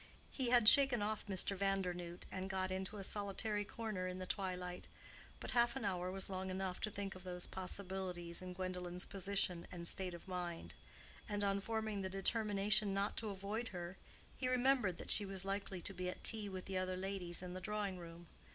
He had shaken off Mr. Vandernoodt, and got into a solitary corner in the twilight; but half an hour was long enough to think of those possibilities in Gwendolen's position and state of mind; and on forming the determination not to avoid her, he remembered that she was likely to be at tea with the other ladies in the drawing room.